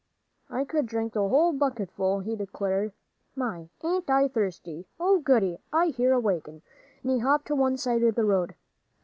"I could drink the whole bucketful," he declared. "My, ain't I thirsty! Oh, goody, I hear a wagon!" and he hopped to one side of the road.